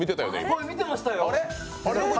俺見てましたよ！